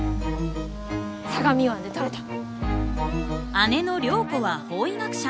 姉の涼子は法医学者。